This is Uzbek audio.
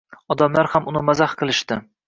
Odamlar ham uni mazax qilishdi.